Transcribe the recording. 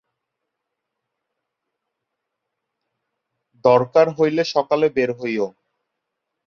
অবশ্য এ নিয়ে সন্দেহ আছে।